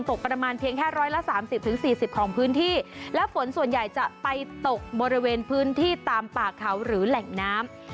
ตกประมาณเพียงแค่๑๓๐๔๐ของพื้นที่และฝนส่วนใหญ่จะไปตกบริเวณพื้นที่ตามป่าเขาหรือแหล่งน้ำ